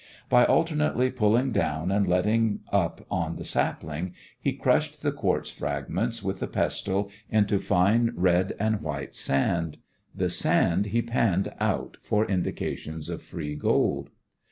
By alternately pulling down and letting up on the sapling he crushed the quartz fragments with the pestle into fine red and white sand. The sand he "panned out" for indications of free gold.